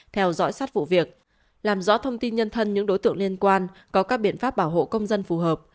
theo dõi sát vụ việc làm rõ thông tin nhân thân những đối tượng liên quan có các biện pháp bảo hộ công dân phù hợp